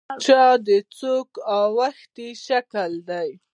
چا د څوک اوښتي شکل دی.